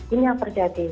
ini yang terjadi